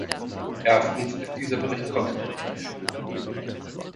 Erstens ist dieser Bericht konstruktiv.